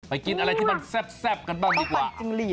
กินอะไรที่มันแซ่บกันบ้างดีกว่า